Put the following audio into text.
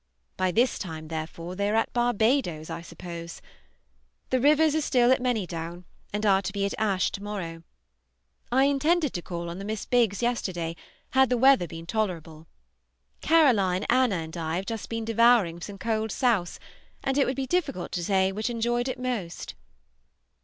By this time, therefore, they are at Barbadoes, I suppose. The Rivers are still at Manydown, and are to be at Ashe to morrow. I intended to call on the Miss Biggs yesterday had the weather been tolerable. Caroline, Anna, and I have just been devouring some cold souse, and it would be difficult to say which enjoyed it most.